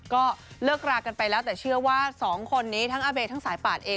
ก็เลิกรากันไปแล้วแต่เชื่อว่าสองคนนี้ทั้งอาเบทั้งสายปาดเอง